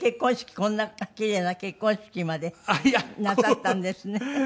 こんな奇麗な結婚式までなさったんですね